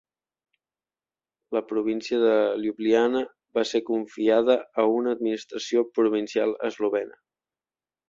La província de Ljubljana va ser confiada a una administració provincial eslovena.